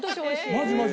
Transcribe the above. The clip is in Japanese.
マジマジ。